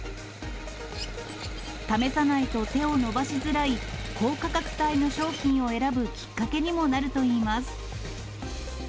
試さないと手を伸ばしづらい高価格帯の商品を選ぶきっかけにもなるといいます。